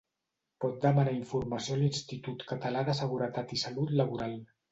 Pot demanar informació a l'Institut Català de Seguretat i Salut Laboral.